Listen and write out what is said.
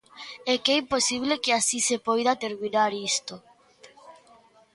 É que é imposible que así se poida terminar isto.